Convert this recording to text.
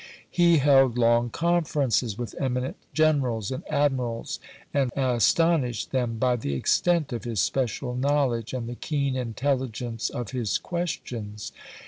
He held long conferences with 156 ABKAHAM LINCOLN Chap. IX. einiiient generals and admirals, and astonished them by the extent of his special knowledge and the keen intelligence of his questions.